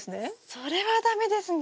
それは駄目ですね。